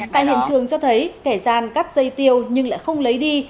tại hiện trường cho thấy kẻ gian cắt dây tiêu nhưng lại không lấy đi